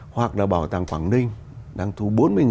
hoặc là bảo tàng quảng ninh đang thu bốn mươi